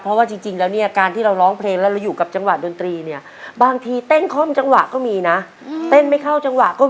เพราะว่าจริงแล้วเนี่ยการที่เราร้องเพลงแล้วเราอยู่กับจังหวะดนตรีเนี่ย